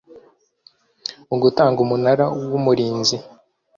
mu gutanga umunara w umurinzi